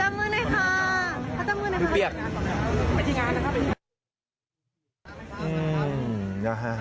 มีเปรียบ